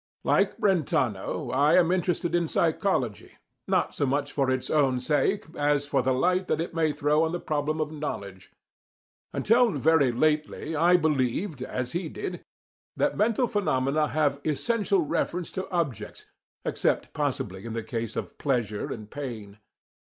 Like Brentano, I am interested in psychology, not so much for its own sake, as for the light that it may throw on the problem of knowledge. Until very lately I believed, as he did, that mental phenomena have essential reference to objects, except possibly in the case of pleasure and pain.